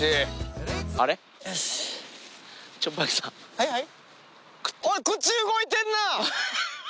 はいはい？